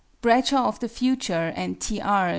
BRADSHAW OF THE FUTURE and T. R.